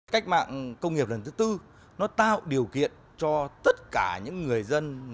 cách mạng công nghiệp lần thứ tư nó tạo điều kiện cho tất cả những người dân